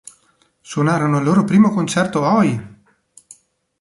Suonarono al loro primo concerto Oi!